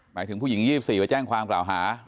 หมายถึงผู้หญิง๒๔ไปแจ้งความกล่าวหา